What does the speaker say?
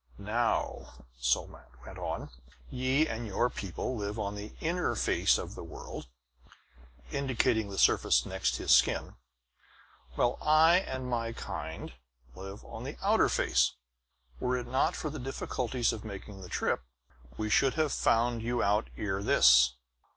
"Now," Somat went on, "ye and your people live on the inner face of the world," indicating the surface next his skin, "while I and my kind live on the outer face. Were it not for the difficulties of making the trip, we should have found you out ere this."